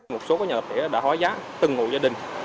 một số nhà lập trẻ đã hóa giá từng hộ gia đình